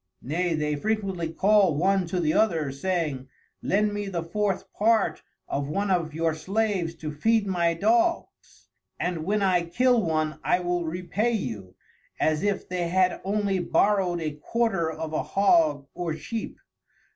Nay they frequently call one to the other, saying, lend me the fourth part of one of your Slaves to feed my Dogs, and when I kill one, I will repay you, as if they had only borrowed a quarter of a Hog or Sheep.